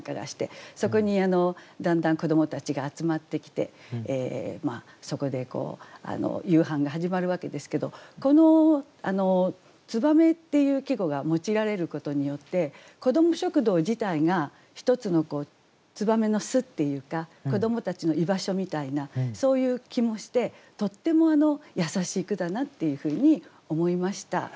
そこにだんだん子どもたちが集まってきてそこで夕飯が始まるわけですけどこの「燕」っていう季語が用いられることによって子ども食堂自体が一つの燕の巣っていうか子どもたちの居場所みたいなそういう気もしてとっても優しい句だなっていうふうに思いました。